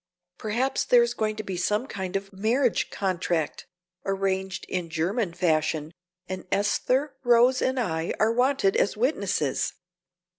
Perhaps there is going to be some kind of marriage contract, arranged in German fashion, and Esther, Rose and I are wanted as witnesses.